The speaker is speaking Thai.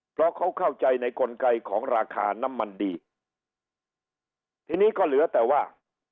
เพราะเขาเข้าใจในกลไกของราคาน้ำมันดีทีนี้ก็เหลือแต่ว่า